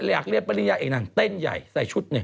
อยากเรียกปริญญาเอกนางเต้นใหญ่ใส่ชุดหนึ่ง